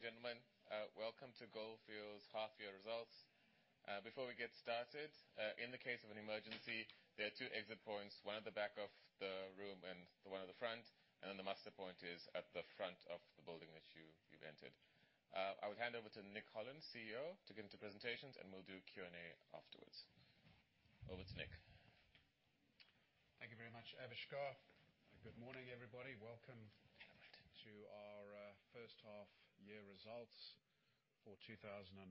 Ladies and gentlemen, welcome to Gold Fields' half-year results. Before we get started, in the case of an emergency, there are two exit points, one at the back of the room and one at the front, and then the muster point is at the front of the building that you've entered. I would hand over to Nick Holland, CEO, to get into presentations, and we'll do Q&A afterwards. Over to Nick. Thank you very much, Avishkar. Good morning, everybody. Welcome to our first half year results for 2019.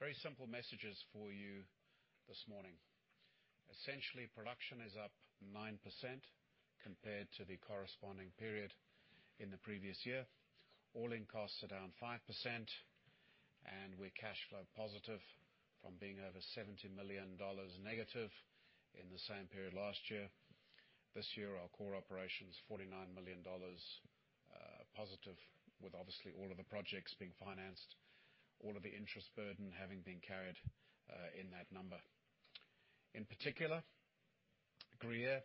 Very simple messages for you this morning. Essentially, production is up 9% compared to the corresponding period in the previous year. All-in costs are down 5%, and we're cash flow positive from being over $70 million negative in the same period last year. This year, our core operation's $49 million positive, with obviously all of the projects being financed, all of the interest burden having been carried in that number. In particular, Gruyere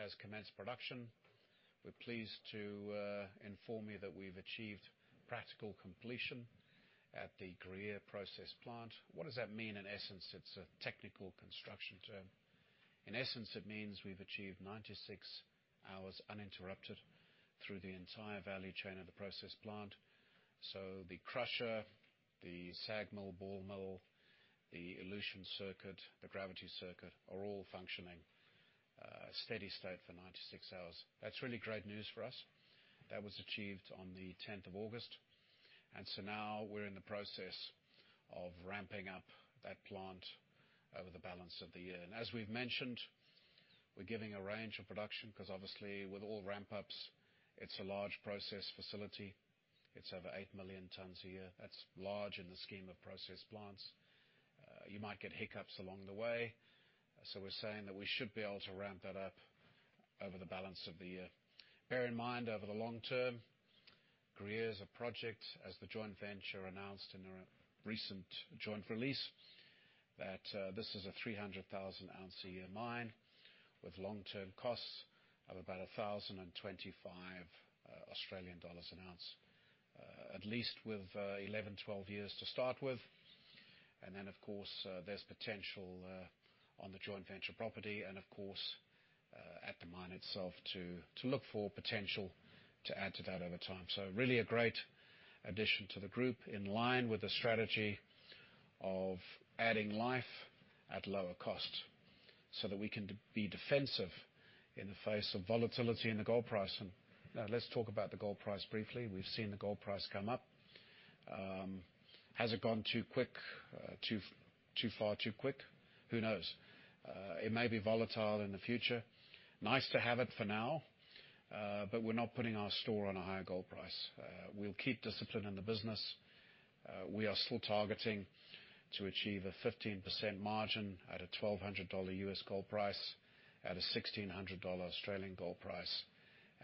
has commenced production. We're pleased to inform you that we've achieved practical completion at the Gruyere process plant. What does that mean, in essence? It's a technical construction term. In essence, it means we've achieved 96 hours uninterrupted through the entire value chain of the process plant. The crusher, the SAG mill, ball mill, the elution circuit, the gravity circuit are all functioning steady state for 96 hours. That's really great news for us. That was achieved on the 10th of August. Now we're in the process of ramping up that plant over the balance of the year. As we've mentioned, we're giving a range of production because obviously with all ramp-ups, it's a large process facility. It's over eight million tons a year. That's large in the scheme of process plants. You might get hiccups along the way. We're saying that we should be able to ramp that up over the balance of the year. Bear in mind, over the long term, Gruyere is a project, as the joint venture announced in a recent joint release, that this is a 300,000 ounce a year mine with long-term costs of about 1,025 Australian dollars an ounce, at least with 11, 12 years to start with. Then, of course, there's potential on the joint venture property and of course, at the mine itself to look for potential to add to that over time. Really a great addition to the group in line with the strategy of adding life at lower cost so that we can be defensive in the face of volatility in the gold price. Now let's talk about the gold price briefly. We've seen the gold price come up. Has it gone too far, too quick? Who knows? It may be volatile in the future. Nice to have it for now, we're not putting our store on a higher gold price. We'll keep discipline in the business. We are still targeting to achieve a 15% margin at a $1,200 US gold price, at a 1,600 Australian dollars Australian gold price,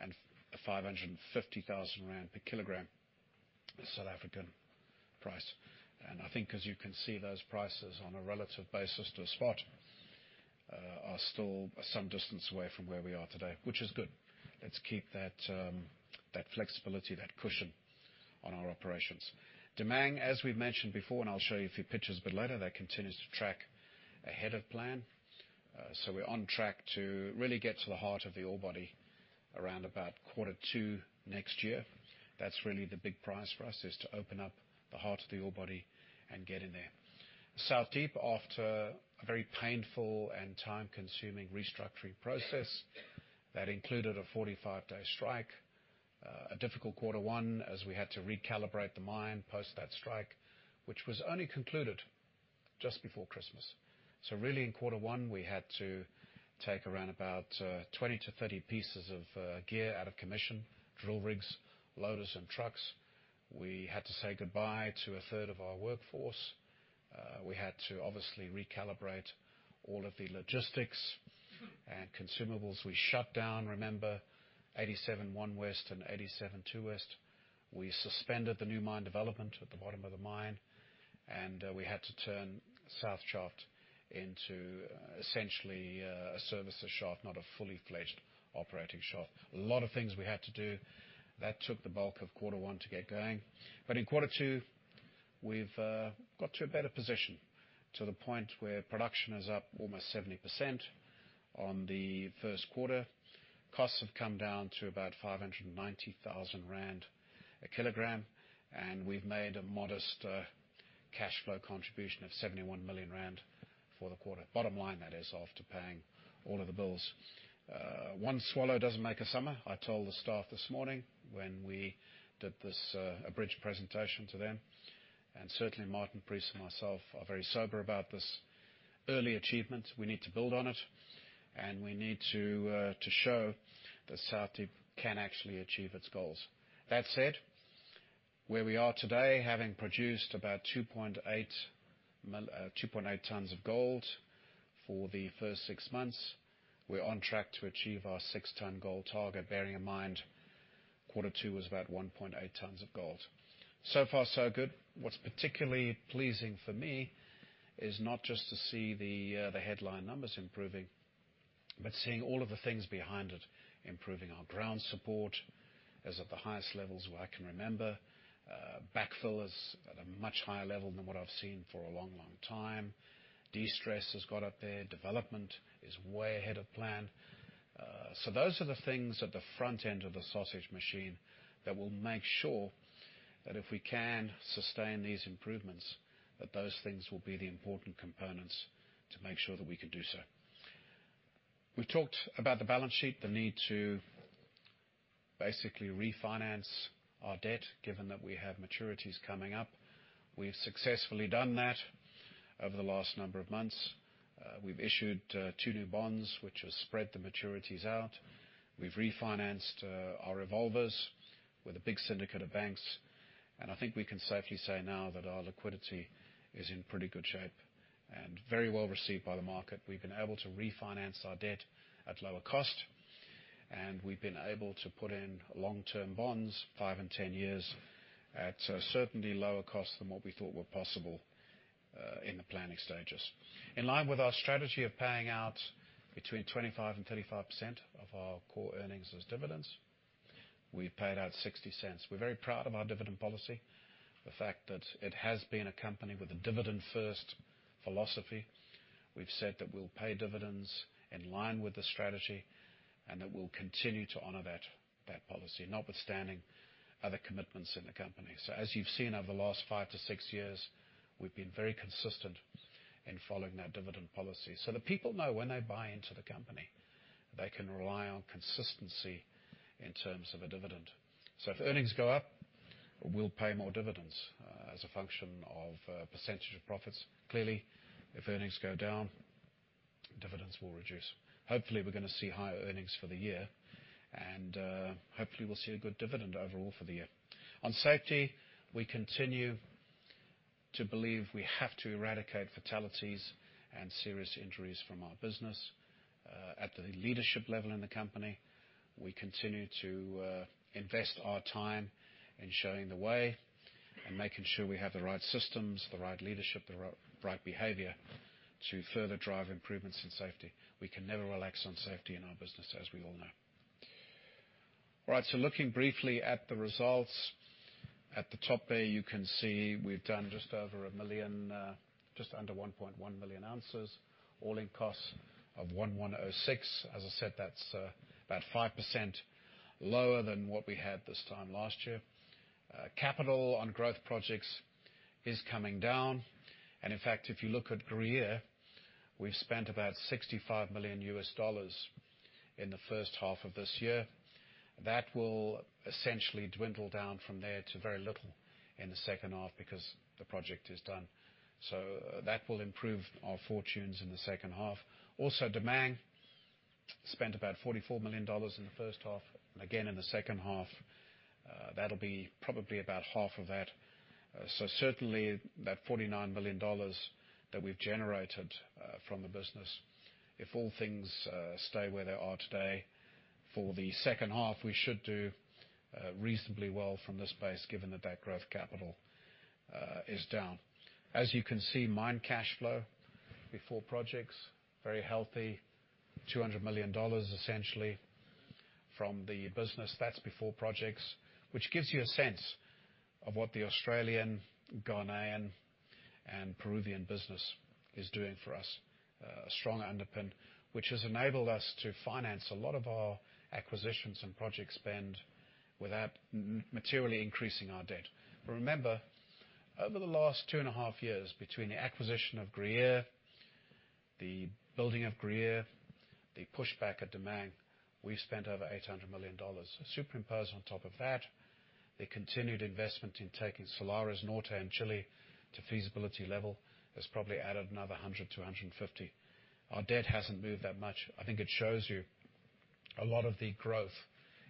a 550,000 rand per kilogram South African price. I think as you can see, those prices on a relative basis to spot are still some distance away from where we are today, which is good. Let's keep that flexibility, that cushion on our operations. Damang, as we've mentioned before, I'll show you a few pictures a bit later, that continues to track ahead of plan. We're on track to really get to the heart of the ore body around about quarter two next year. That's really the big prize for us is to open up the heart of the ore body and get in there. South Deep, after a very painful and time-consuming restructuring process that included a 45-day strike, a difficult quarter one as we had to recalibrate the mine post that strike, which was only concluded just before Christmas. Really in quarter one, we had to take around about 20 to 30 pieces of gear out of commission, drill rigs, loaders, and trucks. We had to say goodbye to a third of our workforce. We had to obviously recalibrate all of the logistics and consumables. We shut down, remember, 87-1-West and 87-2-West. We suspended the new mine development at the bottom of the mine, and we had to turn South Shaft into essentially a servicer shaft, not a fully fledged operating shaft. A lot of things we had to do that took the bulk of quarter one to get going. In quarter two, we've got to a better position to the point where production is up almost 70% on the first quarter. Costs have come down to about 590,000 rand a kilogram, we've made a modest cash flow contribution of 71 million rand for the quarter. Bottom line, that is, after paying all of the bills. One swallow doesn't make a summer. I told the staff this morning when we did this abridged presentation to them, certainly Martin Preece and myself are very sober about this early achievement. We need to build on it, we need to show that South Deep can actually achieve its goals. That said, where we are today, having produced about 2.8 tons of gold for the first six months, we're on track to achieve our six-ton gold target, bearing in mind Quarter 2 was about 1.8 tons of gold. Far so good. What's particularly pleasing for me is not just to see the headline numbers improving, but seeing all of the things behind it. Improving our ground support is at the highest levels where I can remember. Backfill is at a much higher level than what I've seen for a long, long time. Destress has got up there. Development is way ahead of plan. Those are the things at the front end of the sausage machine that will make sure that if we can sustain these improvements, that those things will be the important components to make sure that we can do so. We've talked about the balance sheet, the need to basically refinance our debt, given that we have maturities coming up. We've successfully done that over the last number of months. We've issued two new bonds, which has spread the maturities out. We've refinanced our revolvers with a big syndicate of banks. I think we can safely say now that our liquidity is in pretty good shape and very well received by the market. We've been able to refinance our debt at lower cost. We've been able to put in long-term bonds, five and 10 years, at certainly lower cost than what we thought were possible in the planning stages. In line with our strategy of paying out between 25% and 35% of our core earnings as dividends, we've paid out $0.60. We're very proud of our dividend policy, the fact that it has been a company with a dividend first philosophy. We've said that we'll pay dividends in line with the strategy, and that we'll continue to honor that policy, notwithstanding other commitments in the company. As you've seen over the last five to six years, we've been very consistent in following our dividend policy so that people know when they buy into the company, they can rely on consistency in terms of a dividend. If earnings go up, we'll pay more dividends, as a function of % of profits. Clearly, if earnings go down, dividends will reduce. Hopefully, we're going to see higher earnings for the year. Hopefully, we'll see a good dividend overall for the year. On safety, we continue to believe we have to eradicate fatalities and serious injuries from our business. At the leadership level in the company, we continue to invest our time in showing the way and making sure we have the right systems, the right leadership, the right behavior to further drive improvements in safety. We can never relax on safety in our business, as we all know. Looking briefly at the results. At the top there, you can see we've done just under 1.1 million ounces, all-in costs of $1,106. As I said, that's about 5% lower than what we had this time last year. Capital on growth projects is coming down. If you look at Gruyere, we've spent about $65 million in the first half of this year. That will essentially dwindle down from there to very little in the second half because the project is done. That will improve our fortunes in the second half. Damang spent about $44 million in the first half. In the second half, that'll be probably about half of that. Certainly, that $49 million that we've generated from the business, if all things stay where they are today for the second half, we should do reasonably well from this space, given that that growth capital is down. As you can see, mine cash flow before projects is very healthy. $200 million, essentially, from the business. That's before projects. Which gives you a sense of what the Australian, Ghanaian, and Peruvian business is doing for us. A strong underpin, which has enabled us to finance a lot of our acquisitions and project spend without materially increasing our debt. Remember, over the last two and a half years, between the acquisition of Gruyere, the building of Gruyere, the push back at Damang, we've spent over $800 million. Superimposed on top of that, the continued investment in taking Salares Norte in Chile to feasibility level has probably added another $100-$150. Our debt hasn't moved that much. I think it shows you a lot of the growth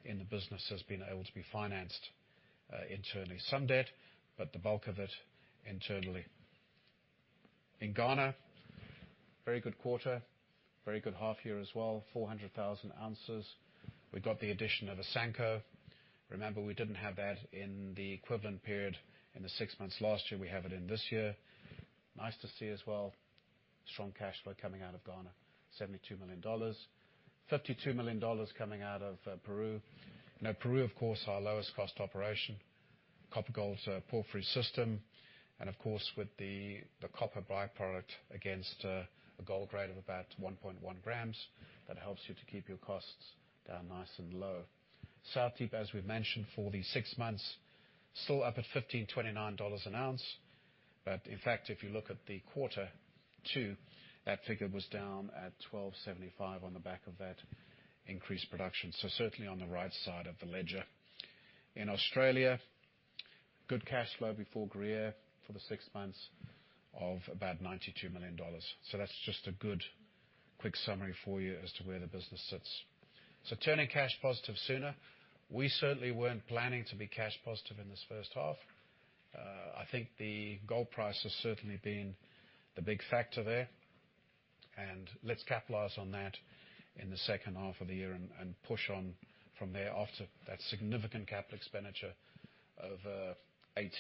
in the business has been able to be financed internally. Some debt, but the bulk of it internally. In Ghana, very good quarter, very good half year as well, 400,000 ounces. We got the addition of Asanko. Remember, we didn't have that in the equivalent period in the six months last year. We have it in this year. Nice to see as well, strong cash flow coming out of Ghana, $72 million. $52 million coming out of Peru. Now, Peru, of course, our lowest cost operation. Copper Gold's a porphyry system. With the copper byproduct against a gold grade of about 1.1 grams, that helps you to keep your costs down nice and low. South Deep, as we mentioned, for the six months, still up at $1,529 an ounce. If you look at the quarter two, that figure was down at $1,275 on the back of that increased production. Certainly on the right side of the ledger. In Australia, good cash flow before Gruyere for the six months of about $92 million. That's just a good quick summary for you as to where the business sits. Turning cash positive sooner. We certainly weren't planning to be cash positive in this first half. I think the gold price has certainly been the big factor there. Let's capitalize on that in the second half of the year and push on from there after that significant capital expenditure of 2018,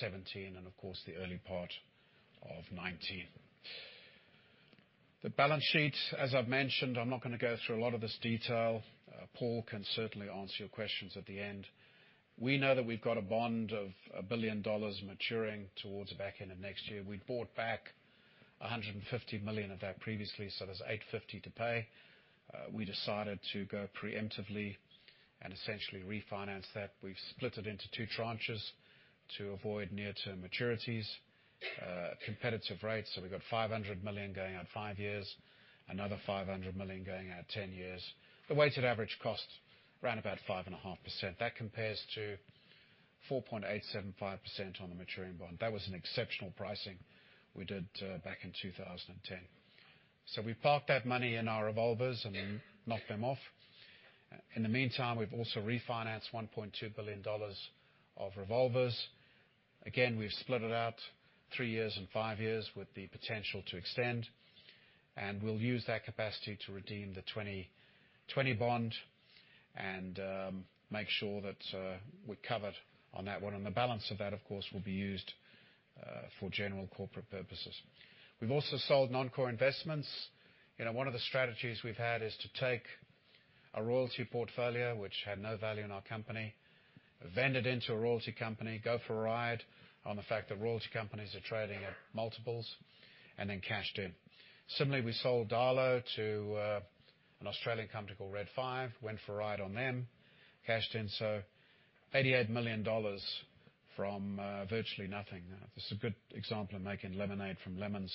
2017, and, of course, the early part of 2019. The balance sheet, as I've mentioned, I'm not going to go through a lot of this detail. Paul can certainly answer your questions at the end. We know that we've got a bond of $1 billion maturing towards the back end of next year. We'd bought back $150 million of that previously, so there's $850 million to pay. We decided to go preemptively and essentially refinance that. We've split it into two tranches to avoid near-term maturities. Competitive rates. We've got $500 million going out five years, another $500 million going out 10 years. The weighted average cost, around about 5.5%. That compares to 4.875% on the maturing bond. That was an exceptional pricing we did back in 2010. We parked that money in our revolvers and knocked them off. In the meantime, we've also refinanced $1.2 billion of revolvers. Again, we've split it out three years and five years with the potential to extend. We'll use that capacity to redeem the 2020 bond and make sure that we're covered on that one. The balance of that, of course, will be used for general corporate purposes. We've also sold non-core investments. One of the strategies we've had is to take a royalty portfolio, which had no value in our company, vend it into a royalty company, go for a ride on the fact that royalty companies are trading at multiples, and then cashed in. Similarly, we sold Darlot to an Australian company called Red 5, went for a ride on them, cashed in. $88 million from virtually nothing. This is a good example of making lemonade from lemons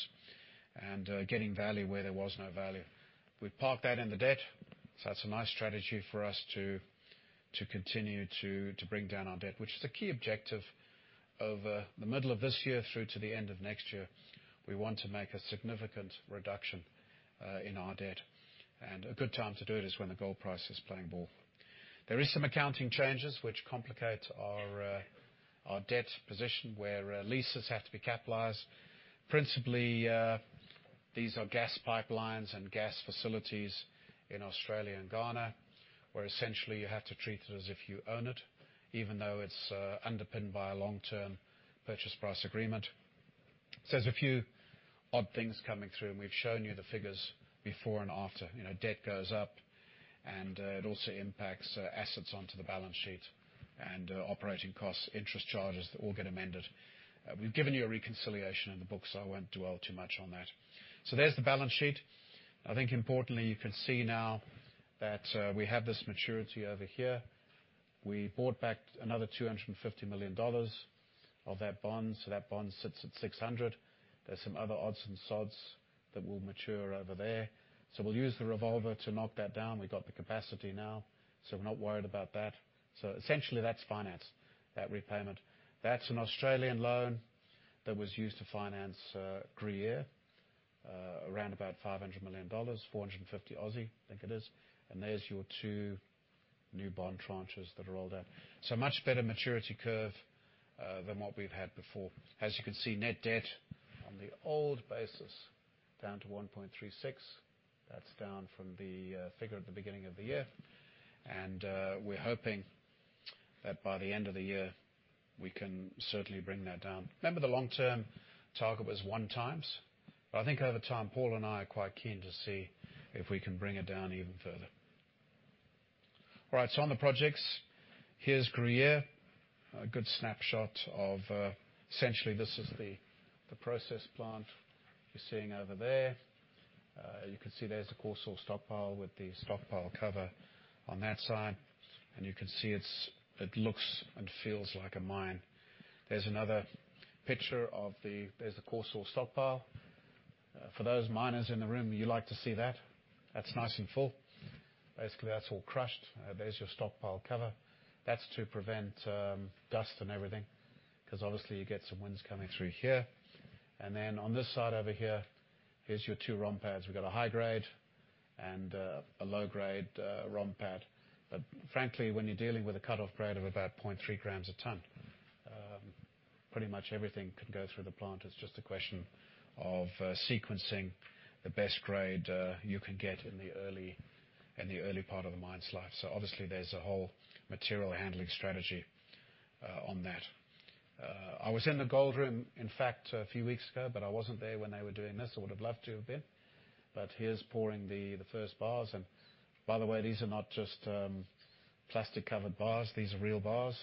and getting value where there was no value. We've parked that in the debt, that's a nice strategy for us to continue to bring down our debt, which is the key objective of the middle of this year through to the end of next year. We want to make a significant reduction in our debt. A good time to do it is when the gold price is playing ball. There is some accounting changes which complicate our debt position where leases have to be capitalized. Principally, these are gas pipelines and gas facilities in Australia and Ghana, where essentially you have to treat it as if you own it, even though it's underpinned by a long-term purchase price agreement. There's a few odd things coming through, and we've shown you the figures before and after. Debt goes up and it also impacts assets onto the balance sheet and operating costs, interest charges, that all get amended. We've given you a reconciliation in the books. I won't dwell too much on that. There's the balance sheet. I think importantly, you can see now that we have this maturity over here. We bought back another $250 million of that bond. That bond sits at $600. There's some other odds and sods that will mature over there. We'll use the revolver to knock that down. We've got the capacity now, we're not worried about that. Essentially, that's finance, that repayment. That's an Australian loan that was used to finance Gruyere, around about $500 million, 450, I think it is. There's your two new bond tranches that are all due. Much better maturity curve than what we've had before. As you can see, net debt on the old basis down to 1.36. That's down from the figure at the beginning of the year. We're hoping that by the end of the year, we can certainly bring that down. Remember, the long-term target was one times. I think over time, Paul and I are quite keen to see if we can bring it down even further. All right. On the projects, here's Gruyere. A good snapshot of essentially this is the process plant you're seeing over there. You can see there's the coarse soil stockpile with the stockpile cover on that side. You can see it looks and feels like a mine. There's another picture of the coarse soil stockpile. For those miners in the room, you like to see that. That's nice and full. Basically, that's all crushed. There's your stockpile cover. That's to prevent dust and everything, because obviously you get some winds coming through here. On this side over here's your 2 ROM pads. We've got a high grade and a low grade ROM pad. Frankly, when you're dealing with a cut-off grade of about 0.3 grams a ton, pretty much everything can go through the plant. It's just a question of sequencing the best grade you can get in the early part of the mine's life. Obviously, there's a whole material handling strategy on that. I was in the gold room, in fact, a few weeks ago, but I wasn't there when they were doing this. I would have loved to have been. Here's pouring the first bars. By the way, these are not just plastic-covered bars, these are real bars.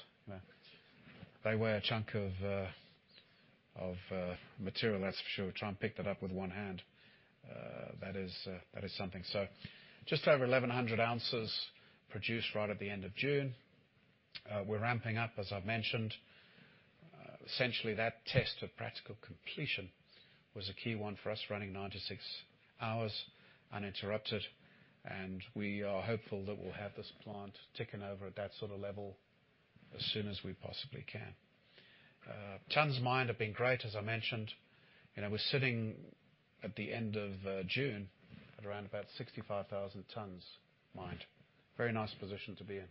They weigh a chunk of material, that's for sure. Try and pick that up with one hand. That is something. Just over 1,100 ounces produced right at the end of June. We're ramping up, as I've mentioned. Essentially, that test of practical completion was a key one for us, running 96 hours uninterrupted, and we are hopeful that we'll have this plant ticking over at that sort of level as soon as we possibly can. Gruyere's mine have been great, as I mentioned. We're sitting at the end of June, at around about 65,000 tons mined. Very nice position to be in,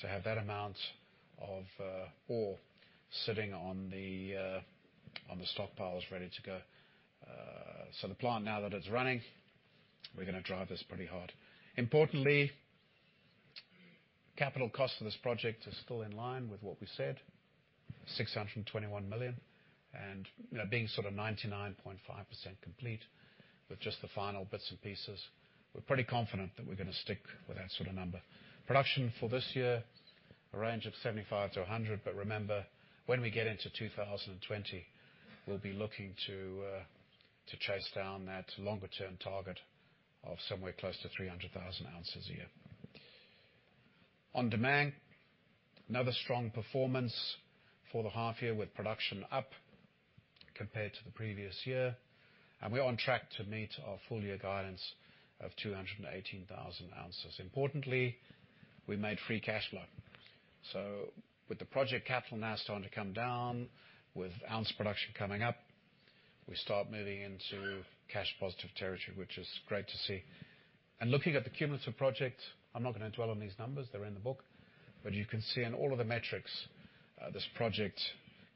to have that amount of ore sitting on the stockpiles ready to go. The plant, now that it's running, we're going to drive this pretty hard. Importantly, capital cost for this project is still in line with what we said, $621 million. Being sort of 99.5% complete, with just the final bits and pieces. We're pretty confident that we're going to stick with that sort of number. Production for this year, a range of 75-100, remember, when we get into 2020, we'll be looking to chase down that longer term target of somewhere close to 300,000 ounces a year. On Damang, another strong performance for the half year with production up compared to the previous year. We're on track to meet our full year guidance of 218,000 ounces. Importantly, we made free cash flow. With the project capital now starting to come down, with ounce production coming up, we start moving into cash positive territory, which is great to see. Looking at the cumulative project, I'm not going to dwell on these numbers, they're in the book. You can see in all of the metrics, this project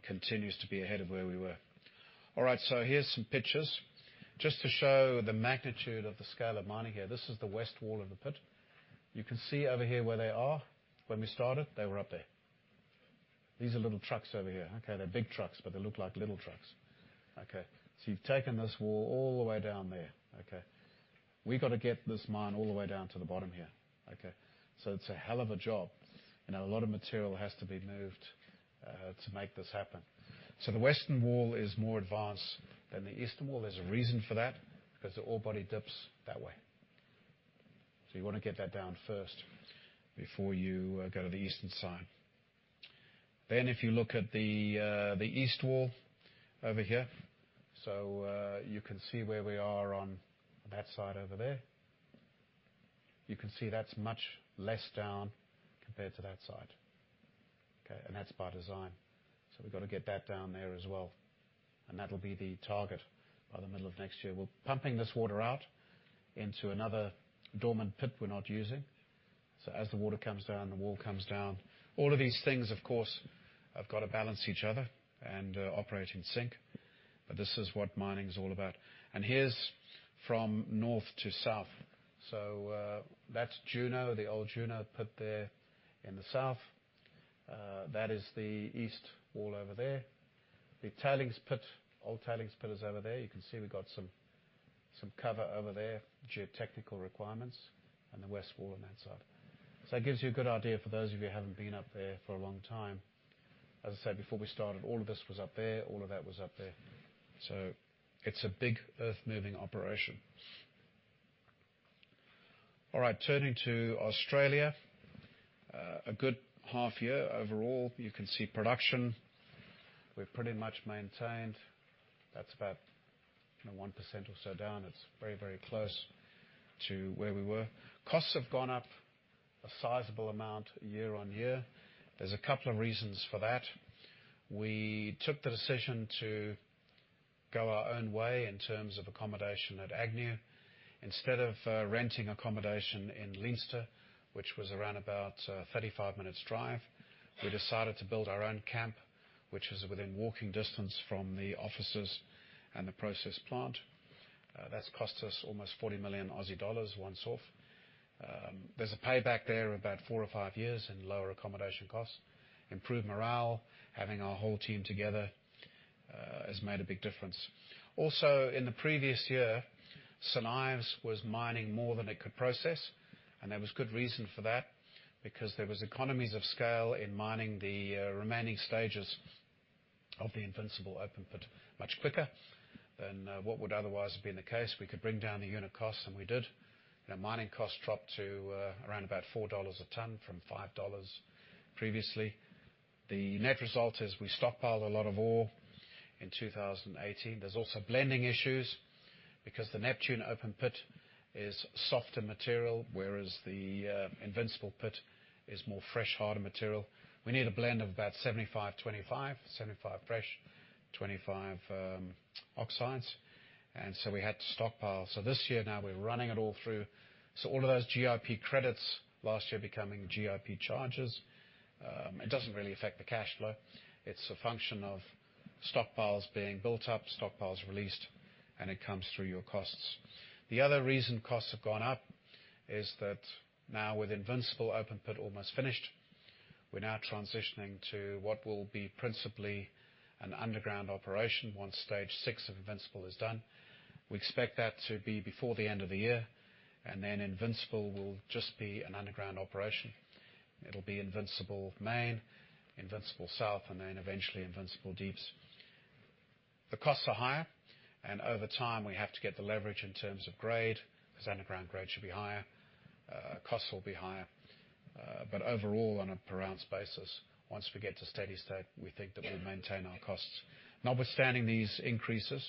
continues to be ahead of where we were. Here's some pictures just to show the magnitude of the scale of mining here. This is the west wall of the pit. You can see over here where they are. When we started, they were up there. These are little trucks over here. They're big trucks, but they look like little trucks. You've taken this wall all the way down there. We got to get this mine all the way down to the bottom here. It's a hell of a job and a lot of material has to be moved, to make this happen. The western wall is more advanced than the eastern wall. There's a reason for that, because the ore body dips that way. You want to get that down first before you go to the eastern side. If you look at the east wall over here, you can see where we are on that side over there. You can see that's much less down compared to that side. That's by design. We've got to get that down there as well. That'll be the target by the middle of next year. We're pumping this water out into another dormant pit we're not using. As the water comes down, the wall comes down. All of these things, of course, have got to balance each other and operate in sync. This is what mining is all about. Here's from north to south. That's Juno, the old Juno pit there in the south. That is the east wall over there. The tailings pit, old tailings pit, is over there. You can see we've got some cover over there, geotechnical requirements. The west wall on that side. It gives you a good idea for those of you who haven't been up there for a long time. As I said before we started, all of this was up there, all of that was up there. It's a big earth-moving operation. All right, turning to Australia. A good half year overall. You can see production we've pretty much maintained. That's about 1% or so down. It's very close to where we were. Costs have gone up a sizable amount year on year. There's a couple of reasons for that. We took the decision to go our own way in terms of accommodation at Agnew. Instead of renting accommodation in Leinster, which was around about 35 minutes drive, we decided to build our own camp, which is within walking distance from the offices and the process plant. That's cost us almost 40 million Aussie dollars once off. There's a payback there of about four or five years in lower accommodation costs. Improved morale, having our whole team together, has made a big difference. In the previous year, St Ives was mining more than it could process, and there was good reason for that, because there was economies of scale in mining the remaining stages of the Invincible open pit much quicker than what would otherwise have been the case. We could bring down the unit cost. We did. Mining costs dropped to around about $4 a ton from $5 previously. The net result is we stockpiled a lot of ore in 2018. There's also blending issues because the Neptune open pit is softer material, whereas the Invincible pit is more fresh, harder material. We need a blend of about 75/25, 75 fresh, 25 oxides. We had to stockpile. This year now we're running it all through. All of those GIP credits last year becoming GIP charges. It doesn't really affect the cash flow. It's a function of stockpiles being built up, stockpiles released, and it comes through your costs. The other reason costs have gone up is that now with Invincible open pit almost finished, we're now transitioning to what will be principally an underground operation once stage 6 of Invincible is done. We expect that to be before the end of the year, and then Invincible will just be an underground operation. It'll be Invincible Main, Invincible South, and then eventually Invincible Deeps. The costs are higher, and over time we have to get the leverage in terms of grade, because underground grade should be higher. Costs will be higher. Overall, on a per ounce basis, once we get to steady state, we think that we'll maintain our costs. Notwithstanding these increases,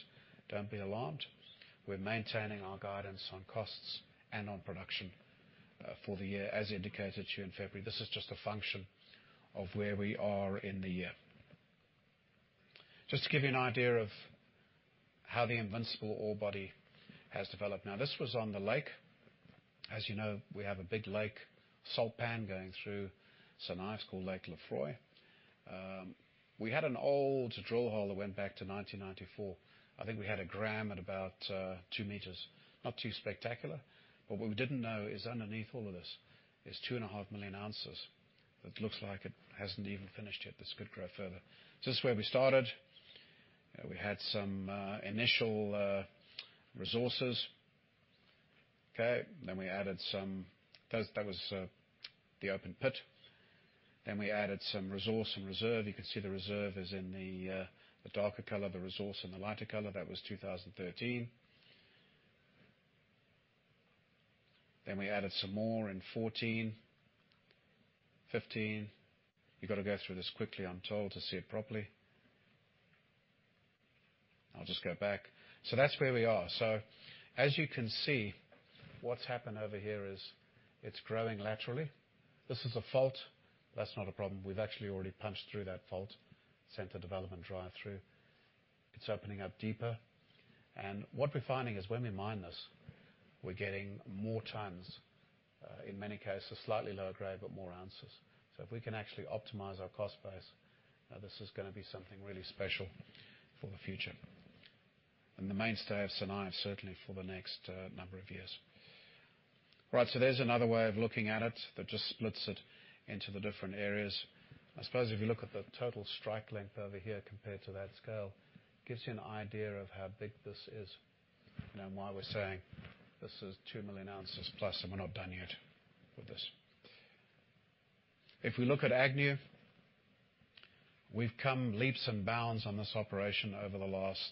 don't be alarmed. We're maintaining our guidance on costs and on production for the year as indicated to you in February. This is just a function of where we are in the year. Just to give you an idea of how the Invincible ore body has developed. Now, this was on the lake. As you know, we have a big lake, salt pan going through Salares Norte called Lake Lefroy. We had an old drill hole that went back to 1994. I think we had a gram at about two meters. Not too spectacular. What we didn't know is underneath all of this is two and a half million ounces. It looks like it hasn't even finished yet. This could grow further. This is where we started. We had some initial resources. Okay? We added That was the open pit. We added some resource and reserve. You can see the reserve is in the darker color, the resource in the lighter color. That was 2013. We added some more in 2014, 2015. You've got to go through this quickly, I'm told, to see it properly. I'll just go back. That's where we are. As you can see, what's happened over here is it's growing laterally. This is a fault. That's not a problem. We've actually already punched through that fault, sent a development drive through. It's opening up deeper. What we're finding is when we mine this, we're getting more tons, in many cases, slightly lower grade, but more ounces. If we can actually optimize our cost base, this is going to be something really special for the future. The mainstay of Salares Norte, certainly for the next number of years. There's another way of looking at it that just splits it into the different areas. I suppose if you look at the total strike length over here compared to that scale, gives you an idea of how big this is and why we're saying this is 2 million ounces plus, and we're not done yet with this. If we look at Agnew, we've come leaps and bounds on this operation over the last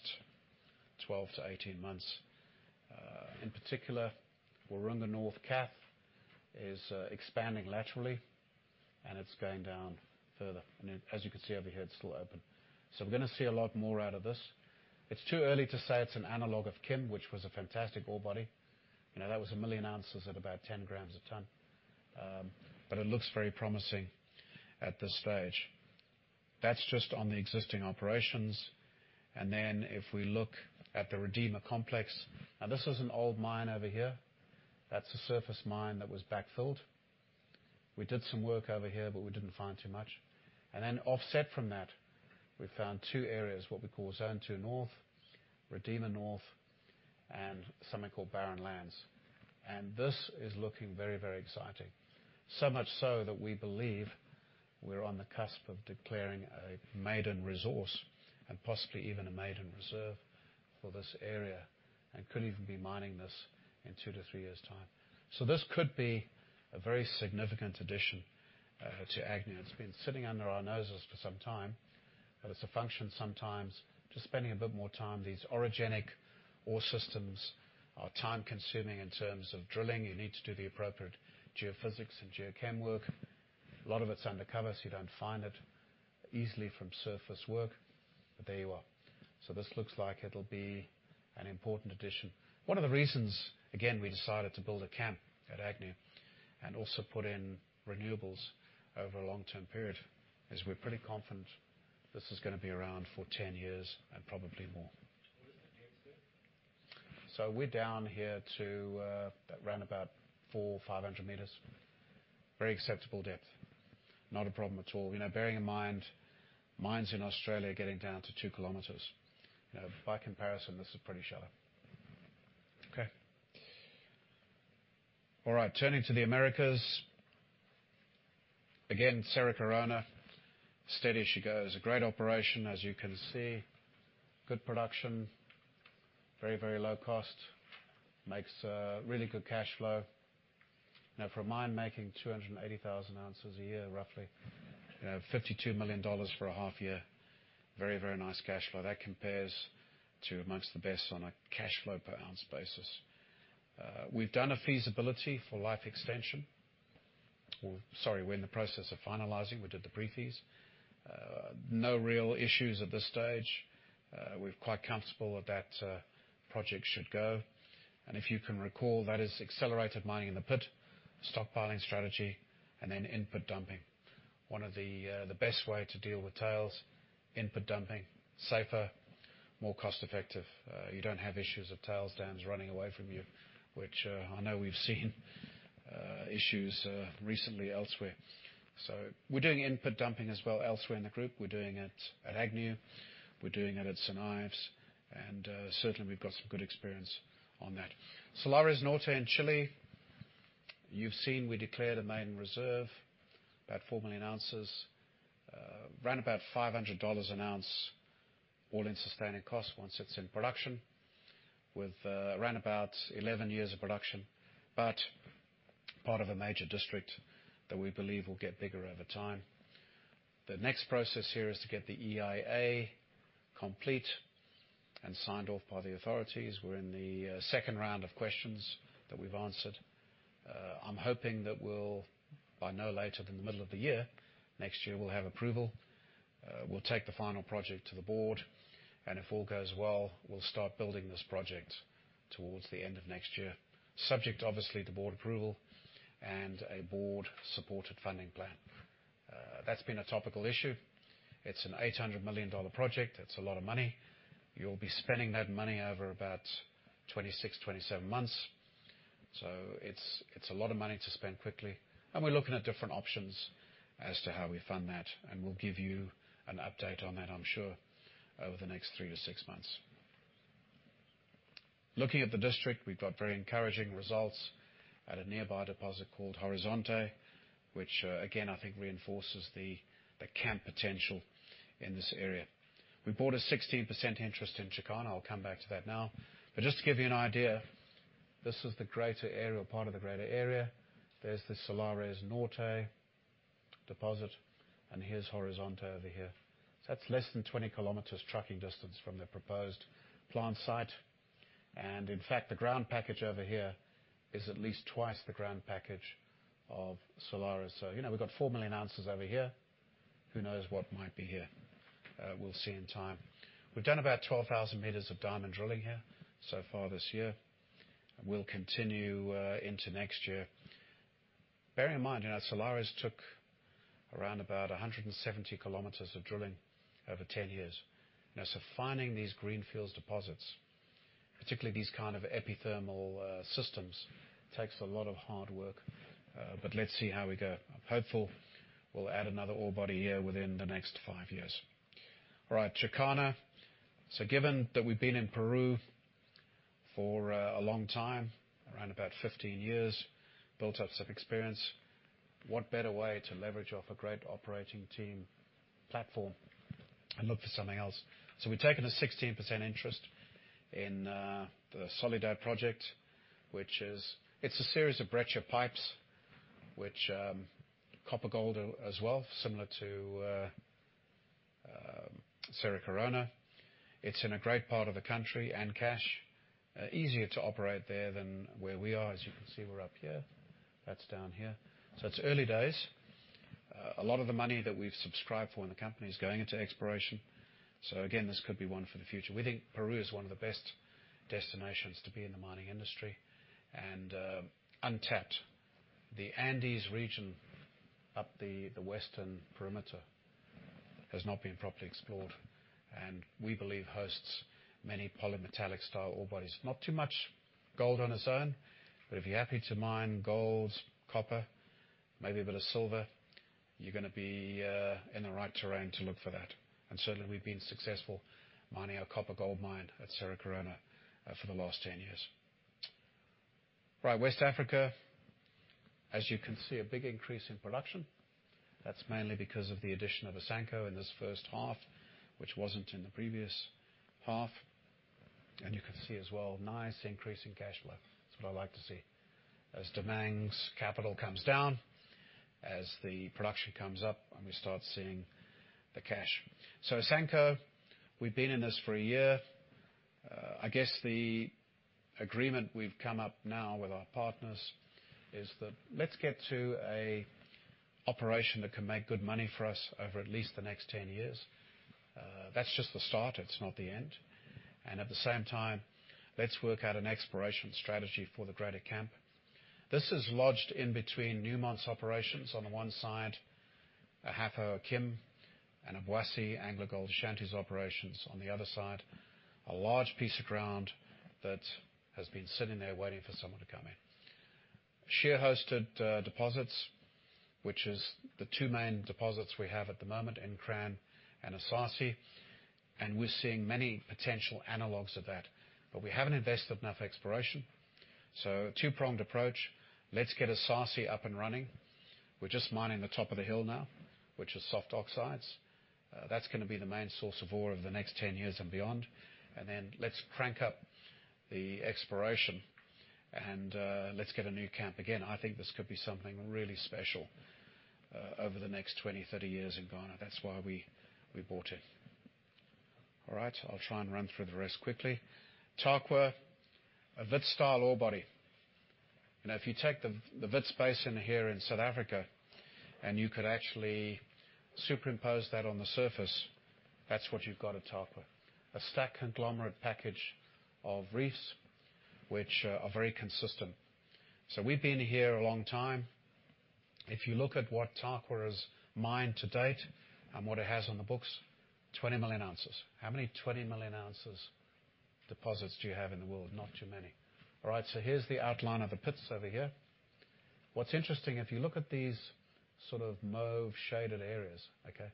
12 to 18 months. In particular, Waroonga North is expanding laterally, and it's going down further. As you can see over here, it's still open. We're going to see a lot more out of this. It's too early to say it's an analog of Kim, which was a fantastic ore body. That was a million ounces at about 10 grams a ton. It looks very promising at this stage. That's just on the existing operations. If we look at the Redeemer Complex, now this is an old mine over here. That's a surface mine that was backfilled. We did some work over here, but we didn't find too much. Offset from that, we found two areas, what we call Zone 2 North, Redeemer North, and something called Barren Lands. This is looking very exciting. Much so that we believe we're on the cusp of declaring a maiden resource and possibly even a maiden reserve for this area and could even be mining this in two to three years' time. This could be a very significant addition to Agnew. It's been sitting under our noses for some time, but it's a function sometimes, just spending a bit more time. These orogenic ore systems are time-consuming in terms of drilling. You need to do the appropriate geophysics and geochem work. A lot of it's undercover, so you don't find it easily from surface work. There you are. This looks like it'll be an important addition. One of the reasons, again, we decided to build a camp at Agnew and also put in renewables over a long-term period is we're pretty confident this is going to be around for 10 years and probably more. What is the depth there? We're down here to around about 400 or 500 meters. Very acceptable depth. Not a problem at all. Bearing in mind, mines in Australia are getting down to two kilometers. By comparison, this is pretty shallow. Okay. All right. Turning to the Americas. Again, Cerro Corona, steady as she goes. A great operation, as you can see. Good production. Very low cost. Makes a really good cash flow. Now, for a mine making 280,000 ounces a year, roughly, $52 million for a half year. Very nice cash flow. That compares to amongst the best on a cash flow per ounce basis. We've done a feasibility for life extension. Sorry, we're in the process of finalizing. We did the pre-feas. No real issues at this stage. We're quite comfortable that that project should go. If you can recall, that is accelerated mining in the pit, stockpiling strategy, and then in-pit dumping. One of the best way to deal with tails, in-pit dumping, safer, more cost effective. You don't have issues of tails dams running away from you, which I know we've seen issues recently elsewhere. We're doing in-pit dumping as well elsewhere in the group. We're doing it at Agnew. We're doing it at Salares Norte, and certainly, we've got some good experience on that. Salares Norte in Chile, you've seen we declared a maiden reserve, about 4 million ounces, around about $500 an ounce, all-in sustaining cost once it's in production, with around about 11 years of production. Part of a major district that we believe will get bigger over time. The next process here is to get the EIA complete and signed off by the authorities. We're in the second round of questions that we've answered. I'm hoping that we'll, by no later than the middle of the year, next year, we'll have approval. We'll take the final project to the board. If all goes well, we'll start building this project towards the end of next year, subject obviously to board approval and a board-supported funding plan. That's been a topical issue. It's an $800 million project. That's a lot of money. You'll be spending that money over about 26, 27 months. It's a lot of money to spend quickly. We're looking at different options as to how we fund that, and we'll give you an update on that, I'm sure, over the next three to six months. Looking at the district, we've got very encouraging results at a nearby deposit called Horizonte, which again, I think reinforces the camp potential in this area. We bought a 16% interest in Chakana. I'll come back to that now. Just to give you an idea, this is the greater area, part of the greater area. There's the Salares Norte deposit and here's Horizonte over here. That's less than 20 km trucking distance from the proposed plant site. In fact, the ground package over here is at least twice the ground package of Salares Norte. We've got 4 million ounces over here. Who knows what might be here. We'll see in time. We've done about 12,000 m of diamond drilling here so far this year. We'll continue into next year. Bear in mind, Salares Norte took around about 170 km of drilling over 10 years now. Finding these greenfields deposits, particularly these kinds of epithermal systems, takes a lot of hard work. Let's see how we go. I'm hopeful we'll add another ore body here within the next five years. All right. Chakana. Given that we've been in Peru for a long time, around about 15 years, built up some experience, what better way to leverage off a great operating team platform and look for something else? We've taken a 16% interest in the Soledad project, which is a series of breccia pipes, which, copper gold as well, similar to Cerro Corona. It's in a great part of the country, Ancash. Easier to operate there than where we are. As you can see, we're up here. That's down here. It's early days. A lot of the money that we've subscribed for in the company is going into exploration. Again, this could be one for the future. We think Peru is one of the best destinations to be in the mining industry and untapped. The Andes region up the western perimeter has not been properly explored and we believe hosts many polymetallic style ore bodies. Not too much gold on its own, but if you're happy to mine gold, copper, maybe a bit of silver, you're going to be in the right terrain to look for that. Certainly, we've been successful mining our copper-gold mine at Cerro Corona for the last 10 years. Right. West Africa, as you can see, a big increase in production. That's mainly because of the addition of Asanko in this first half, which wasn't in the previous half. You can see as well, nice increase in cash flow. That's what I like to see. Damang's capital comes down, as the production comes up, and we start seeing the cash. Asanko, we've been in this for a year. I guess the agreement we've come up now with our partners is that let's get to an operation that can make good money for us over at least the next 10 years. That's just the start. It's not the end. At the same time, let's work out an exploration strategy for the greater camp. This is lodged in between Newmont's operations on the one side, Ahafo Kim and Obuasi AngloGold Ashanti's operations on the other side. A large piece of ground that has been sitting there waiting for someone to come in. Share-hosted deposits, which is the two main deposits we have at the moment, Nkran and Esaase, and we're seeing many potential analogs of that. We haven't invested enough exploration. A two-pronged approach. Let's get Esaase up and running. We're just mining the top of the hill now, which is soft oxides. That's going to be the main source of ore over the next 10 years and beyond. Let's crank up the exploration and let's get a new camp. Again, I think this could be something really special over the next 20, 30 years in Ghana. That's why we bought it. All right. I'll try and run through the rest quickly. Tarkwa, a Wits-style ore body. If you take the Wits space in here in South Africa and you could actually superimpose that on the surface, that's what you've got at Tarkwa. A stack conglomerate package of reefs which are very consistent. We've been here a long time. If you look at what Tarkwa has mined to date and what it has on the books, 20 million ounces. How many 20 million ounces deposits do you have in the world? Not too many. All right, here's the outline of the pits over here. What's interesting, if you look at these sort of mauve shaded areas, okay,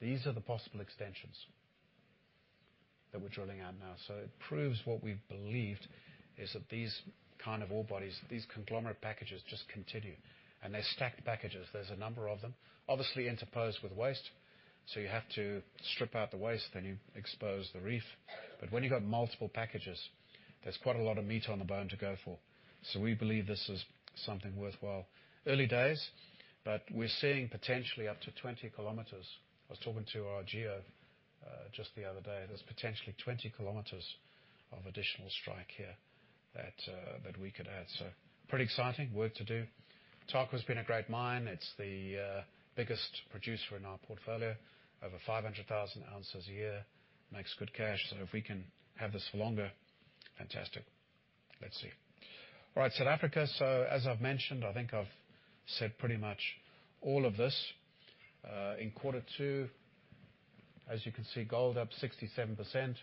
these are the possible extensions that we're drilling out now. It proves what we've believed is that these kind of ore bodies, these conglomerate packages just continue, and they're stacked packages. There's a number of them, obviously interposed with waste. You have to strip out the waste, then you expose the reef. When you've got multiple packages, there's quite a lot of meat on the bone to go for. We believe this is something worthwhile. Early days, we're seeing potentially up to 20 kilometers. I was talking to our geo just the other day. There's potentially 20 kilometers of additional strike here that we could add. Pretty exciting work to do. Tarkwa has been a great mine. It's the biggest producer in our portfolio. Over 500,000 ounces a year. Makes good cash. If we can have this for longer, fantastic. Let's see. All right, South Africa. As I've mentioned, I think I've said pretty much all of this. In quarter two, as you can see, gold up 67%,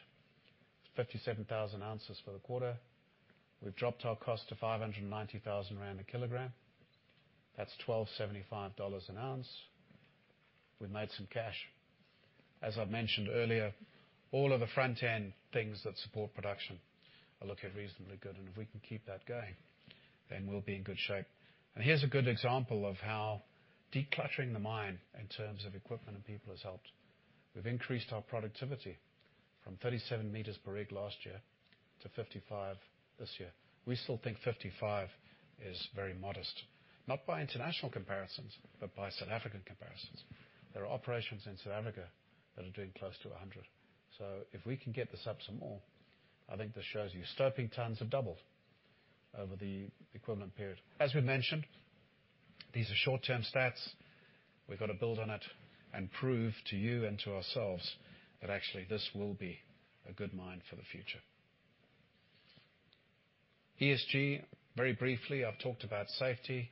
57,000 ounces for the quarter. We've dropped our cost to 590,000 rand a kilogram. That's $1,275 an ounce. We've made some cash. As I mentioned earlier, all of the front-end things that support production are looking reasonably good, and if we can keep that going, then we'll be in good shape. Here's a good example of how decluttering the mine in terms of equipment and people has helped. We've increased our productivity from 37 meters per rig last year to 55 this year. We still think 55 is very modest, not by international comparisons, but by South African comparisons. There are operations in South Africa that are doing close to 100. If we can get this up some more, I think this shows you. Stoping tons have doubled over the equivalent period. As we mentioned, these are short-term stats. We've got to build on it and prove to you and to ourselves that actually this will be a good mine for the future. ESG, very briefly, I've talked about safety.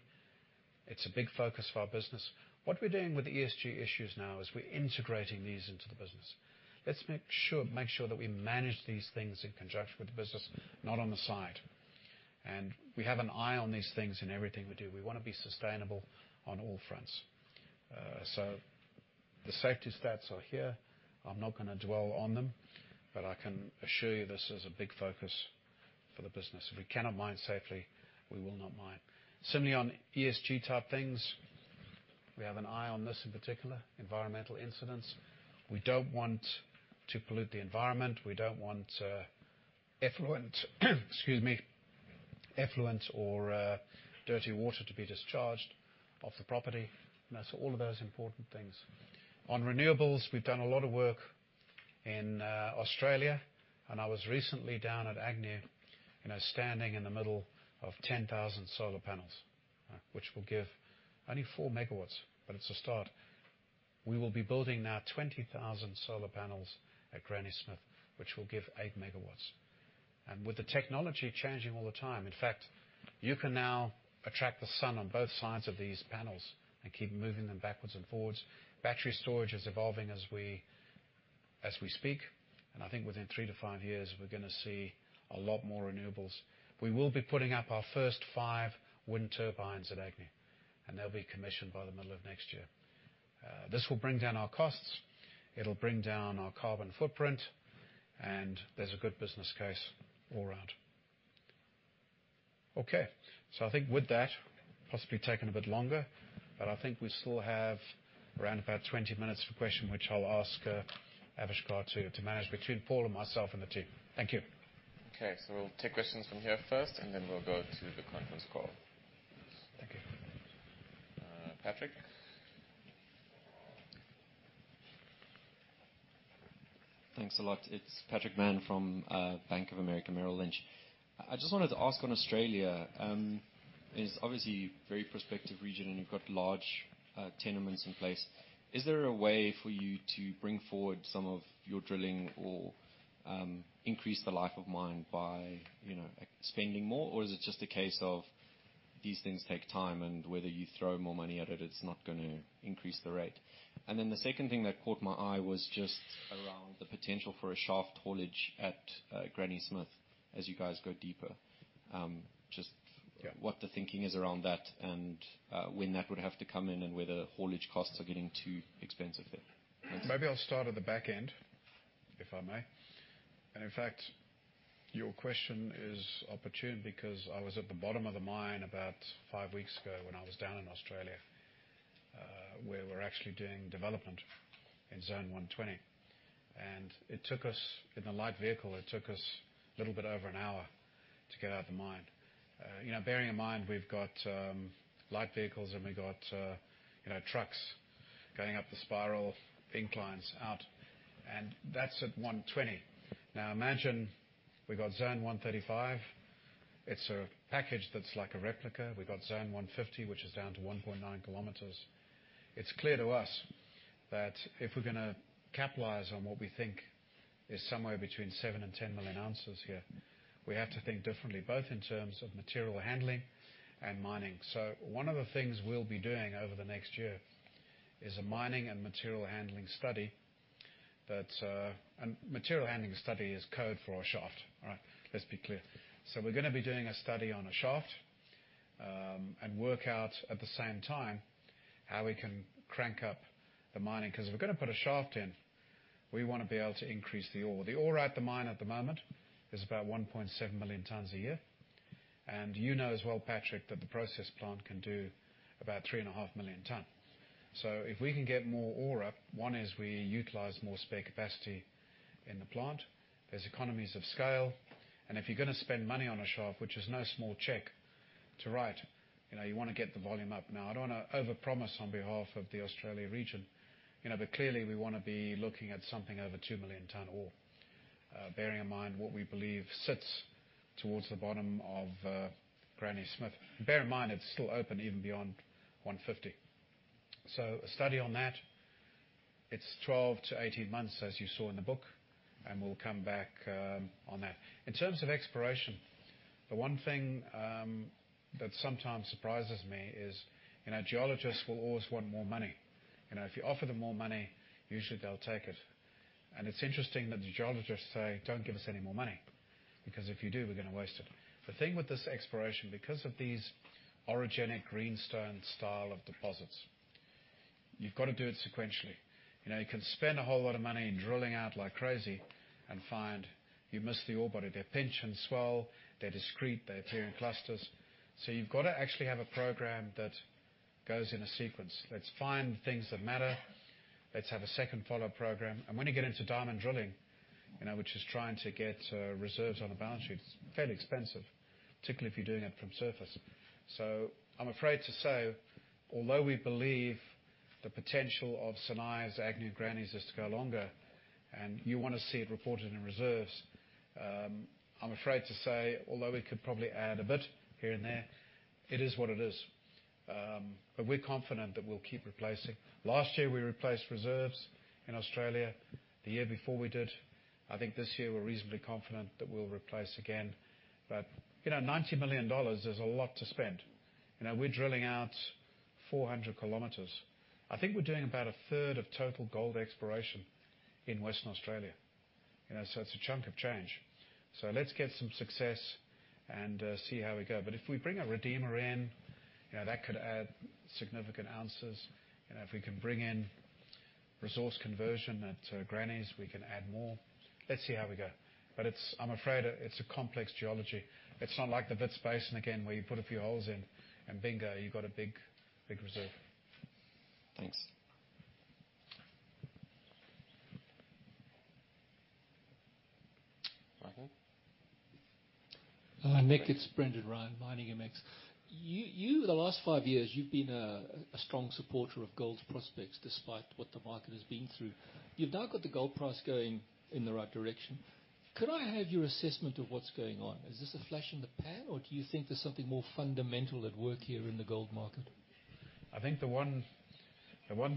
It's a big focus of our business. What we're doing with the ESG issues now is we're integrating these into the business. Let's make sure that we manage these things in conjunction with the business, not on the side. We have an eye on these things in everything we do. We want to be sustainable on all fronts. The safety stats are here. I'm not going to dwell on them, but I can assure you this is a big focus for the business. If we cannot mine safely, we will not mine. Similarly, on ESG type things, we have an eye on this in particular, environmental incidents. We don't want to pollute the environment. We don't want effluent or dirty water to be discharged off the property, and that's all of those important things. On renewables, we've done a lot of work in Australia, and I was recently down at Agnew, standing in the middle of 10,000 solar panels, which will give only four megawatts, but it's a start. We will be building now 20,000 solar panels at Granny Smith, which will give eight megawatts. With the technology changing all the time, in fact, you can now track the sun on both sides of these panels and keep moving them backwards and forwards. Battery storage is evolving as we speak, and I think within three to five years, we're going to see a lot more renewables. We will be putting up our first five wind turbines at Agnew, and they'll be commissioned by the middle of next year. This will bring down our costs, it'll bring down our carbon footprint, and there's a good business case all around. Okay. I think with that, possibly taken a bit longer, but I think we still have around about 20 minutes for question, which I'll ask Avishkar to manage between Paul and myself and the team. Thank you. Okay. We'll take questions from here first, and then we'll go to the conference call. Thank you. Patrick? Thanks a lot. It's Patrick Mann from Bank of America, Merrill Lynch. I just wanted to ask on Australia, it's obviously a very prospective region, and you've got large tenements in place. Is there a way for you to bring forward some of your drilling or increase the life of mine by spending more? Or is it just a case of these things take time and whether you throw more money at it's not going to increase the rate? The second thing that caught my eye was just around the potential for a shaft haulage at Granny Smith as you guys go deeper. Yeah. Just what the thinking is around that and when that would have to come in and whether haulage costs are getting too expensive there. Maybe I'll start at the back end, if I may. In fact, your question is opportune because I was at the bottom of the mine about five weeks ago when I was down in Australia, where we're actually doing development in Zone 120. In the light vehicle, it took us a little bit over an hour to get out the mine. Bearing in mind, we've got light vehicles and we got trucks going up the spiral inclines out, and that's at 120. Imagine we've got Zone 135. It's a package that's like a replica. We've got Zone 150, which is down to 1.9 km. It's clear to us that if we're going to capitalize on what we think is somewhere between seven and 10 million ounces here, we have to think differently, both in terms of material handling and mining. One of the things we'll be doing over the next year is a mining and material handling study. Material handling study is code for a shaft. All right. Let's be clear. We're going to be doing a study on a shaft, and work out at the same time how we can crank up the mining. If we're going to put a shaft in, we want to be able to increase the ore. The ore at the mine at the moment is about 1.7 million tons a year. You know as well, Patrick, that the process plant can do about 3.5 million tons. If we can get more ore up, one, we utilize more spare capacity in the plant. There's economies of scale. If you're going to spend money on a shaft, which is no small check to write, you want to get the volume up. I don't want to overpromise on behalf of the Australia region, but clearly we want to be looking at something over 2 million ton ore. Bearing in mind what we believe sits towards the bottom of Granny Smith. Bear in mind, it's still open even beyond 150. A study on that. It's 12 to 18 months, as you saw in the book, and we'll come back on that. In terms of exploration, the one thing that sometimes surprises me is geologists will always want more money. If you offer them more money, usually they'll take it. It's interesting that the geologists say, "Don't give us any more money, because if you do, we're going to waste it." The thing with this exploration, because of these orogenic green stone style of deposits, you've got to do it sequentially. You can spend a whole lot of money in drilling out like crazy and find you missed the ore body. They pinch and swell. They're discreet. They appear in clusters. You've got to actually have a program that goes in a sequence. Let's find things that matter. Let's have a second follow-up program. When you get into diamond drilling, which is trying to get reserves on a balance sheet, it's fairly expensive, particularly if you're doing it from the surface. I'm afraid to say, although we believe the potential of Senise, Agnew, Granny's is to go longer, and you want to see it reported in reserves, I'm afraid to say, although we could probably add a bit here and there, it is what it is. We're confident that we'll keep replacing. Last year, we replaced reserves in Australia, the year before we did. I think this year we're reasonably confident that we'll replace again. $90 million is a lot to spend. We're drilling out 400 km. I think we're doing about a third of total gold exploration in Western Australia. It's a chunk of change. Let's get some success and see how we go. If we bring a Redeemer in, that could add significant ounces. If we can bring in resource conversion at Granny's, we can add more. Let's see how we go. I'm afraid it's a complex geology. It's not like the Wits Basin again, where you put a few holes in, and bingo, you've got a big reserve. Thanks. Michael? Nick, it's Brendan Ryan, Miningmx. You, the last five years, you've been a strong supporter of gold's prospects despite what the market has been through. You've now got the gold price going in the right direction. Could I have your assessment of what's going on? Is this a flash in the pan, or do you think there's something more fundamental at work here in the gold market? I think the one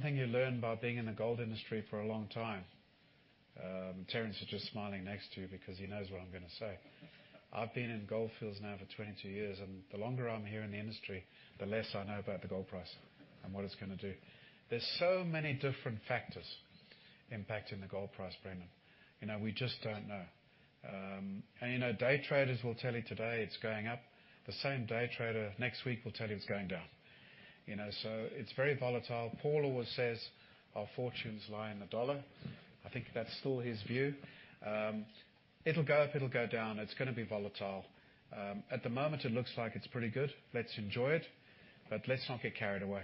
thing you learn about being in the gold industry for a long time, Terence is just smiling next to you because he knows what I'm going to say. I've been in Gold Fields now for 22 years, and the longer I'm here in the industry, the less I know about the gold price and what it's going to do. There's so many different factors impacting the gold price, Brendan. We just don't know. Day traders will tell you today it's going up. The same day trader next week will tell you it's going down. It's very volatile. Paul always says our fortunes lie in the dollar. I think that's still his view. It'll go up, it'll go down. It's going to be volatile. At the moment, it looks like it's pretty good. Let's enjoy it. Let's not get carried away.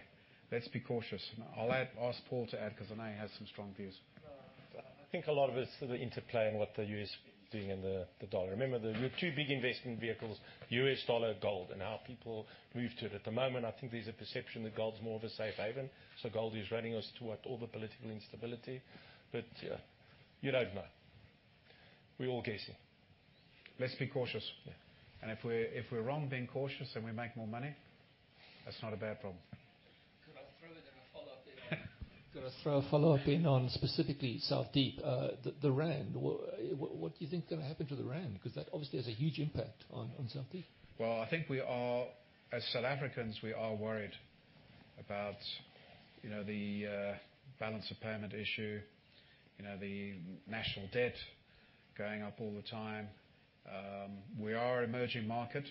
Let's be cautious. I'll ask Paul to add because I know he has some strong views. I think a lot of it is sort of the interplay in what the U.S. is doing in the dollar. Remember, your two big investment vehicles, U.S. dollar, gold, and how people move to it. At the moment, I think there's a perception that gold's more of a safe haven, so gold is running us toward all the political instability. You don't know. We're all guessing. Let's be cautious. Yeah. If we're wrong being cautious and we make more money, that's not a bad problem. Could I throw a follow-up in on specifically South Deep, the rand? What do you think is going to happen to the rand? That obviously has a huge impact on South Deep. Well, I think as South Africans, we are worried about the balance of payment issue, the national debt going up all the time. We are emerging market.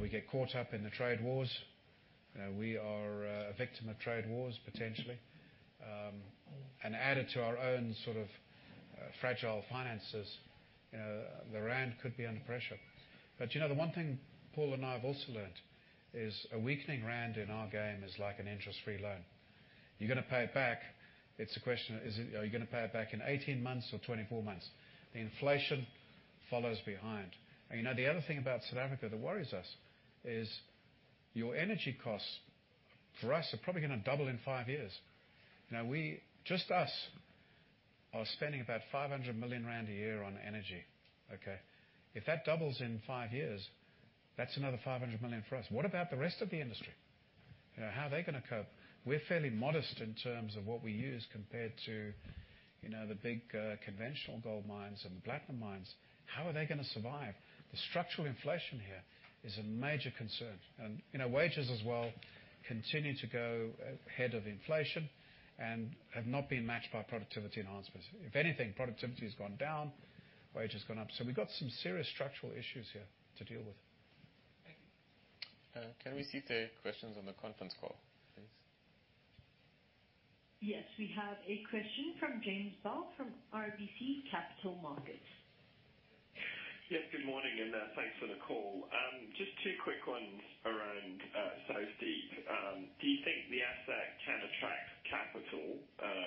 We get caught up in the trade wars. We are a victim of trade wars, potentially. Added to our own sort of fragile finances, the rand could be under pressure. The one thing Paul and I have also learnt is a weakening rand in our game is like an interest-free loan. You're going to pay it back. It's a question of, are you going to pay it back in 18 months or 24 months? The inflation follows behind. The other thing about South Africa that worries us is your energy costs for us are probably going to double in five years. Just us are spending about 500 million rand a year on energy, okay? If that doubles in five years, that's another 500 million for us. What about the rest of the industry? How are they going to cope? We're fairly modest in terms of what we use compared to the big conventional gold mines and the platinum mines. How are they going to survive? The structural inflation here is a major concern, and wages as well continue to go ahead of inflation and have not been matched by productivity enhancements. If anything, productivity has gone down, wages gone up. We've got some serious structural issues here to deal with. Thank you. Can we see the questions on the conference call, please? Yes. We have a question from James Bell from RBC Capital Markets. Yes. Good morning, thanks for the call. Just two quick ones around South Deep. Do you think the asset can attract capital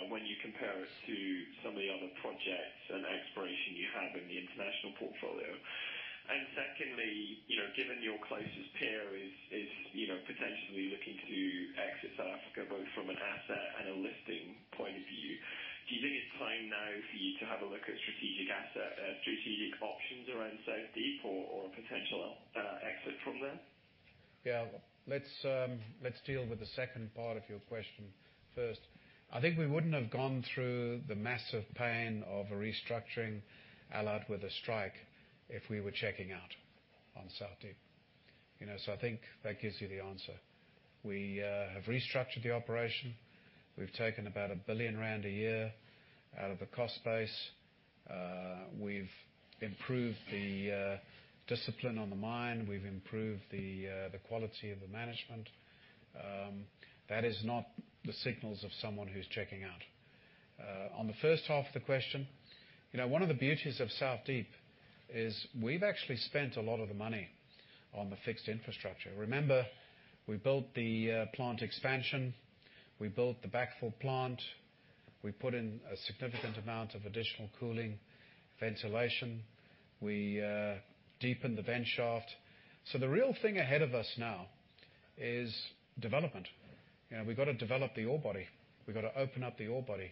when you compare it to some of the other projects and exploration you have in the international portfolio? Secondly, given your closest peer is potentially looking to exit South Africa, both from an asset and a listing point of view, do you think it's time now for you to have a look at strategic asset, strategic options around South Deep or a potential exit from there? Let's deal with the second part of your question first. I think we wouldn't have gone through the massive pain of a restructuring allied with a strike if we were checking out on South Deep. I think that gives you the answer. We have restructured the operation. We've taken about 1 billion rand a year out of the cost base. We've improved the discipline on the mine. We've improved the quality of the management. That is not the signals of someone who's checking out. On the first half of the question, one of the beauties of South Deep is we've actually spent a lot of the money on the fixed infrastructure. Remember, we built the plant expansion, we built the backfill plant, we put in a significant amount of additional cooling ventilation. We deepened the vent shaft. The real thing ahead of us now is development. We've got to develop the ore body. We've got to open up the ore body,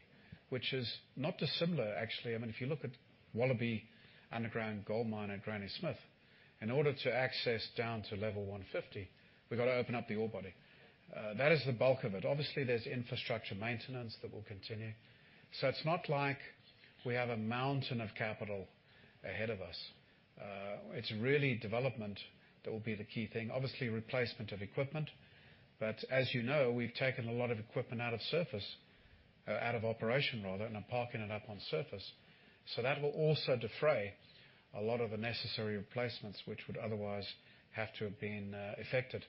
which is not dissimilar, actually. If you look at Wallaby underground gold mine at Granny Smith, in order to access down to level 150, we've got to open up the ore body. That is the bulk of it. Obviously, there's infrastructure maintenance that will continue. It's not like we have a mountain of capital ahead of us. It's really development that will be the key thing. Obviously, replacement of equipment. As you know, we've taken a lot of equipment out of surface, out of operation rather, and are parking it up on surface. That will also defray a lot of the necessary replacements which would otherwise have to have been effected.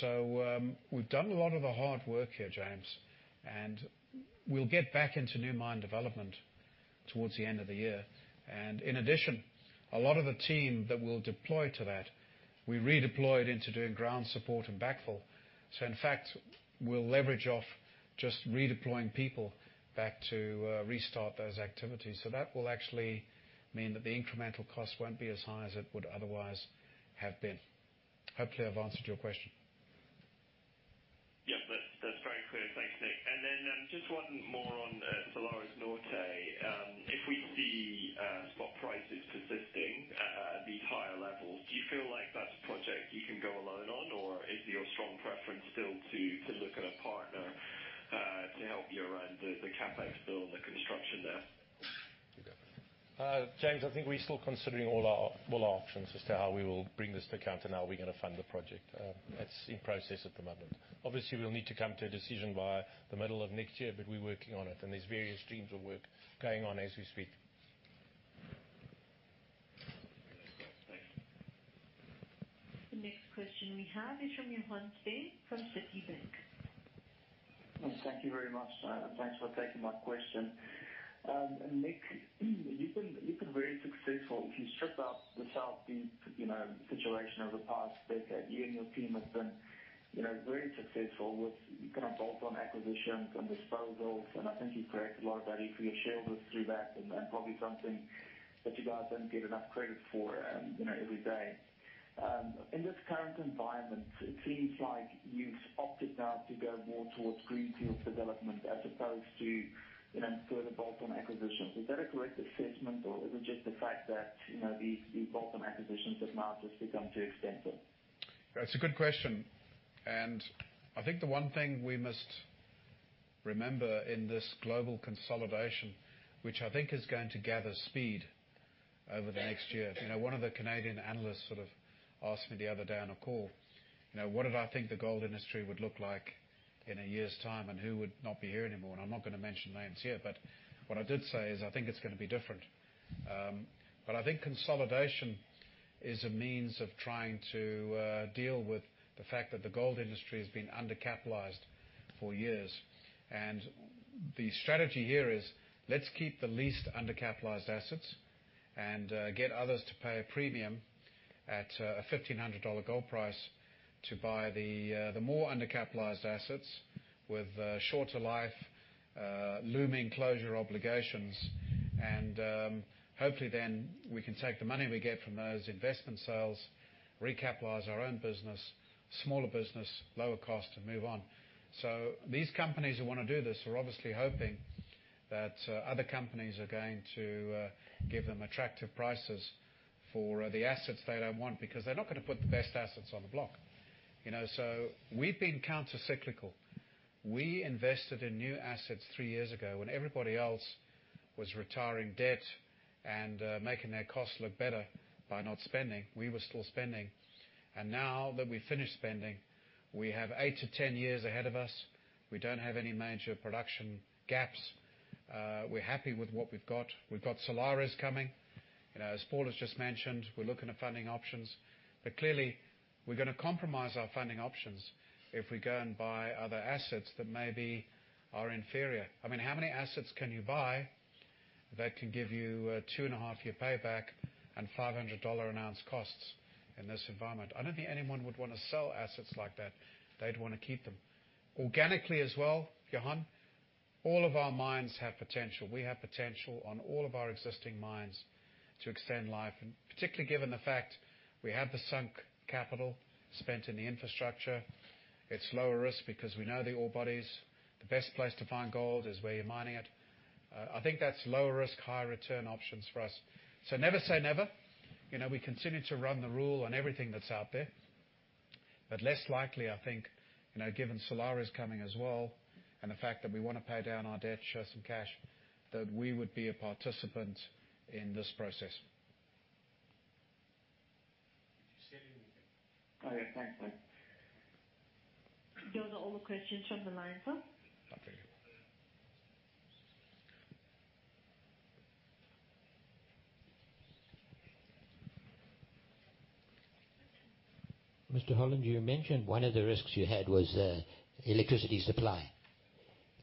We've done a lot of the hard work here, James, and we'll get back into new mine development towards the end of the year. In addition, a lot of the team that we'll deploy to that, we redeployed into doing ground support and backfill. In fact, we'll leverage off just redeploying people back to restart those activities. That will actually mean that the incremental cost won't be as high as it would otherwise have been. Hopefully, I've answered your question. Yes, that's very clear. Thanks, Nick. Just one more on Salares Norte. If we see spot prices persisting at these higher levels, do you feel like that's a project you can go alone on? Is your strong preference still to look at a partner to help you around the CapEx bill and the construction there? James, I think we're still considering all our options as to how we will bring this to account and how we're going to fund the project. That's in process at the moment. Obviously, we'll need to come to a decision by the middle of next year, but we're working on it, and there's various streams of work going on as we speak. Thanks. The next question we have is from Johann Steyn from Citibank. Thank you very much. Thanks for taking my question. Nick, you've been very successful. If you strip out the South Deep situation over the past decade, you and your team have been very successful with kind of bolt-on acquisitions and disposals, and I think you've created a lot of value for your shareholders through that and probably something that you guys don't get enough credit for every day. In this current environment, it seems like you've opted now to go more towards greenfield development as opposed to further bolt-on acquisitions. Is that a correct assessment, or is it just the fact that the bolt-on acquisitions have now just become too expensive? That's a good question, and I think the one thing we must remember in this global consolidation, which I think is going to gather speed over the next year. One of the Canadian analysts sort of asked me the other day on a call, what did I think the gold industry would look like in a year's time, and who would not be here anymore? I'm not going to mention names here, but what I did say is I think it's going to be different. I think consolidation is a means of trying to deal with the fact that the gold industry has been under-capitalized for years. The strategy here is, let's keep the least under-capitalized assets and get others to pay a premium at a $1,500 gold price to buy the more under-capitalized assets with shorter life, looming closure obligations, and hopefully then we can take the money we get from those investment sales, recapitalize our own business, smaller business, lower cost, and move on. These companies who want to do this are obviously hoping that other companies are going to give them attractive prices for the assets they don't want, because they're not going to put the best assets on the block. We've been counter-cyclical. We invested in new assets three years ago when everybody else was retiring debt and making their costs look better by not spending. We were still spending. Now that we've finished spending, we have 8-10 years ahead of us. We don't have any major production gaps. We're happy with what we've got. We've got Salares Norte coming. As Paul has just mentioned, we're looking at funding options. Clearly, we're going to compromise our funding options if we go and buy other assets that maybe are inferior. How many assets can you buy that can give you a two-and-a-half-year payback and $500 an ounce costs in this environment? I don't think anyone would want to sell assets like that. They'd want to keep them. Organically as well, Johann, all of our mines have potential. We have potential on all of our existing mines to extend life, and particularly given the fact we have the sunk capital spent in the infrastructure. It's lower risk because we know the ore bodies. The best place to find gold is where you're mining it. I think that's lower risk, high return options for us. Never say never. We continue to run the rule on everything that's out there. Less likely, I think, given solar is coming as well, and the fact that we want to pay down our debt, show some cash, that we would be a participant in this process. Did you say anything? Oh, yeah. Thanks, mate. Those are all the questions from the line, sir. Okay. Mr. Holland, you mentioned one of the risks you had was electricity supply.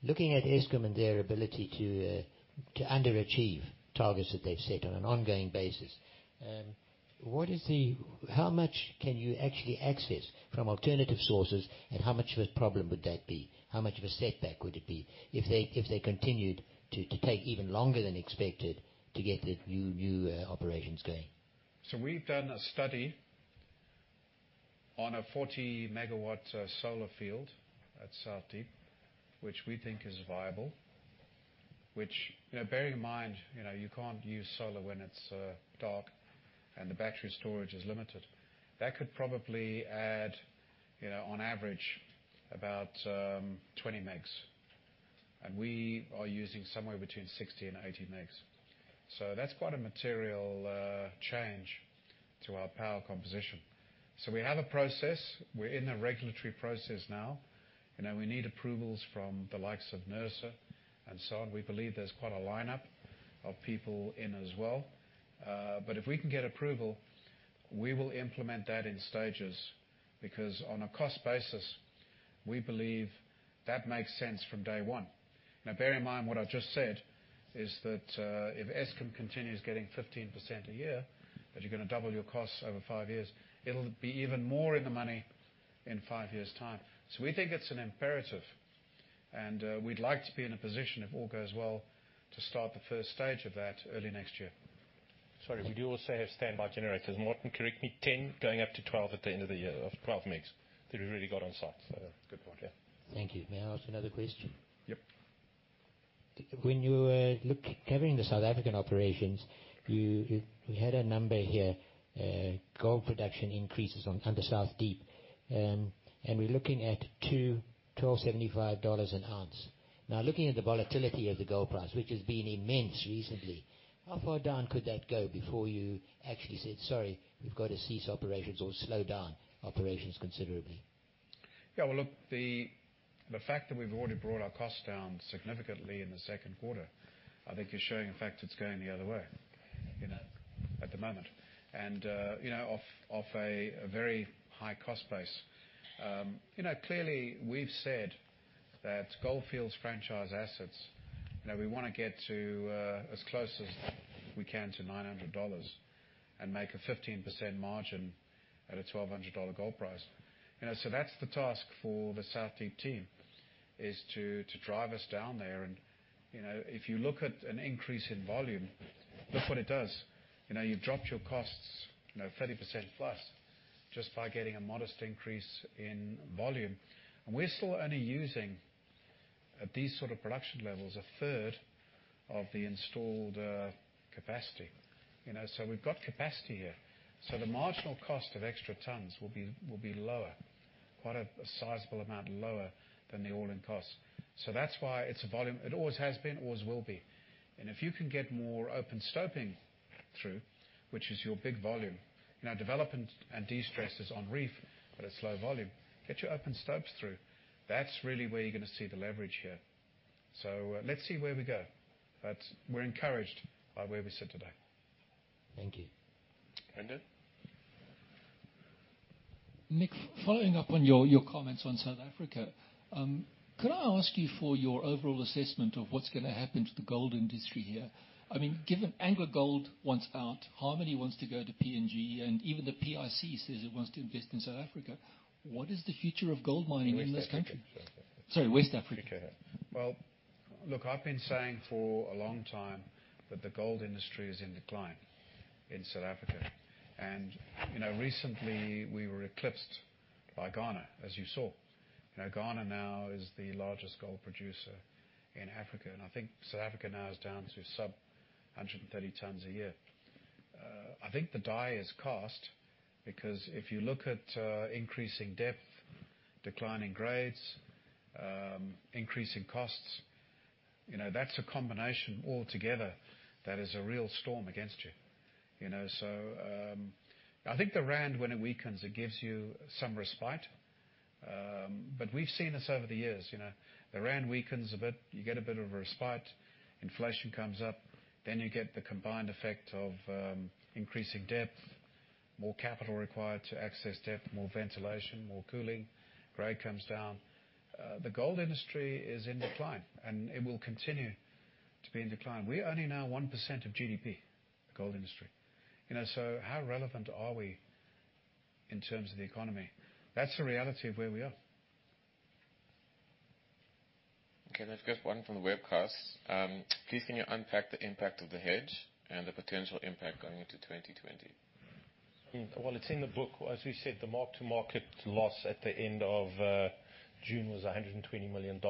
Looking at Eskom and their ability to underachieve targets that they've set on an ongoing basis, how much can you actually access from alternative sources, and how much of a problem would that be? How much of a setback would it be if they continued to take even longer than expected to get the new operations going? We've done a study on a 40 MW solar field at South Deep, which we think is viable. Bearing in mind, you can't use solar when it's dark and the battery storage is limited. That could probably add, on average, about 20 MW. We are using somewhere between 60 MW and 80 MW. That's quite a material change to our power composition. We have a process. We're in the regulatory process now. We need approvals from the likes of NERSA and so on. We believe there's quite a lineup of people in as well. If we can get approval, we will implement that in stages, because on a cost basis, we believe that makes sense from day one. Bear in mind what I've just said is that if Eskom continues getting 15% a year, that you're going to double your costs over five years. It'll be even more in the money in five years' time. We think it's an imperative, and we'd like to be in a position, if all goes well, to start the first stage of that early next year. Sorry, we do also have standby generators. Martin, correct me, 10, going up to 12 at the end of the year, of 12 MW that we've already got on site. Good point, yeah. Thank you. May I ask another question? Yep. When you look, having the South African operations, we had a number here, gold production increases on, under South Deep. We're looking at $1,275 an ounce. Looking at the volatility of the gold price, which has been immense recently, how far down could that go before you actually said, "Sorry, we've got to cease operations or slow down operations considerably"? Yeah, well, look, the fact that we've already brought our costs down significantly in the second quarter, I think you're showing, in fact, it's going the other way at the moment. Off a very high-cost base. Clearly, we've said that Gold Fields franchise assets, we want to get to as close as we can to $900 and make a 15% margin at a $1,200 gold price. That's the task for the South Deep team, is to drive us down there. If you look at an increase in volume, look what it does. You've dropped your costs 30% plus just by getting a modest increase in volume. We're still only using these sort of production levels, a third of the installed capacity. We've got capacity here. The marginal cost of extra tons will be lower, quite a sizable amount lower than the all-in cost. That's why it's a volume. It always has been, always will be. If you can get more open stoping through, which is your big volume. Development and destress is on reef, but it's slow volume. Get your open stopes through. That's really where you're going to see the leverage here. Let's see where we go. We're encouraged by where we sit today. Thank you. Andrew? Nick, following up on your comments on South Africa, could I ask you for your overall assessment of what's going to happen to the gold industry here? Given AngloGold wants out, Harmony wants to go to PNG, and even the PIC says it wants to invest in South Africa, what is the future of gold mining in this country? West Africa. Sorry, West Africa. Okay. Well, look, I've been saying for a long time that the gold industry is in decline in South Africa. Recently we were eclipsed by Ghana, as you saw. Ghana now is the largest gold producer in Africa, and I think South Africa now is down to sub 130 tons a year. I think the die is cast because if you look at increasing depth, declining grades, increasing costs, that's a combination altogether that is a real storm against you. I think the rand, when it weakens, it gives you some respite. We've seen this over the years. The rand weakens a bit, you get a bit of a respite, inflation comes up, then you get the combined effect of increasing depth, more capital required to access depth, more ventilation, more cooling, grade comes down. The gold industry is in decline, and it will continue to be in decline. We're only now 1% of GDP, the gold industry. How relevant are we in terms of the economy? That's the reality of where we are. Okay, let's get one from the webcast. Please can you unpack the impact of the hedge and the potential impact going into 2020? Well, it's in the book. As we said, the mark-to-market loss at the end of June was $120 million.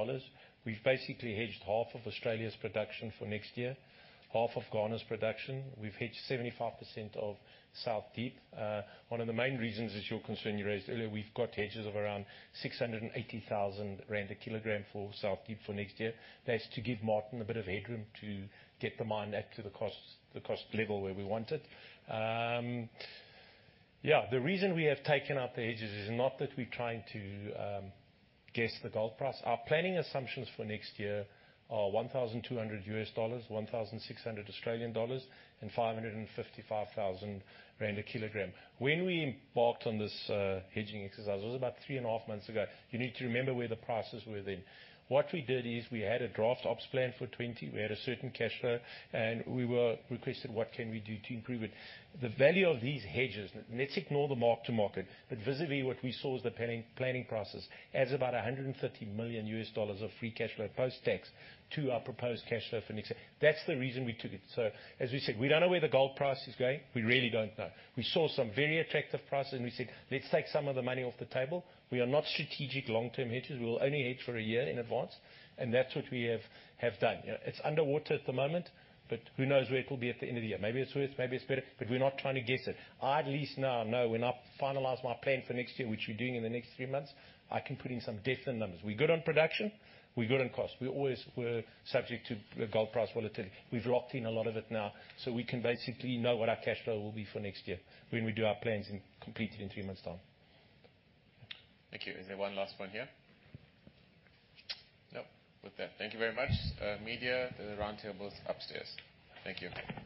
We've basically hedged half of Australia's production for next year, half of Ghana's production. We've hedged 75% of South Deep. One of the main reasons is your concern you raised earlier. We've got hedges of around 680,000 rand a kilogram for South Deep for next year. That is to give Martin a bit of headroom to get the mine up to the cost level where we want it. Yeah, the reason we have taken out the hedges is not that we're trying to guess the gold price. Our planning assumptions for next year are $1,200, 1,600 Australian dollars, and 555,000 rand a kilogram. When we embarked on this hedging exercise, it was about three and a half months ago. You need to remember where the prices were then. What we did is we had a draft ops plan for 2020, we had a certain cash flow, and we were requested what can we do to improve it. The value of these hedges, let's ignore the mark-to-market. Visibly, what we saw as the planning process adds about $130 million of free cash flow post-tax to our proposed cash flow for next year. That's the reason we took it. As we said, we don't know where the gold price is going. We really don't know. We saw some very attractive prices, and we said, "Let's take some of the money off the table." We are not strategic long-term hedgers. We will only hedge for one year in advance, and that's what we have done. It's underwater at the moment, who knows where it will be at the end of the year. Maybe it's worse, maybe it's better, but we're not trying to guess it. I at least now know when I finalize my plan for next year, which we're doing in the next three months, I can put in some definite numbers. We're good on production. We're good on cost. We always were subject to gold price volatility. We've locked in a lot of it now, so we can basically know what our cash flow will be for next year when we do our plans and complete it in three months' time. Thank you. Is there one last one here? Nope. With that, thank you very much. Media, the roundtable's upstairs. Thank you.